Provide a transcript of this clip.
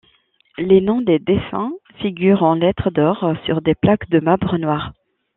Les noms des défunts figurent en lettres d’or sur des plaques de marbre noir.